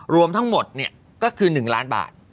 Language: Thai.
รวมทั้งหมดก็คือ๑ล้านบาท